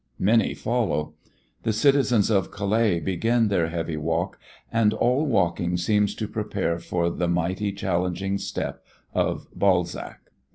Many follow. The citizens of Calais begin their heavy walk, and all walking seems to prepare for the mighty, challenging step of Balzac.